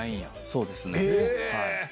そうですね。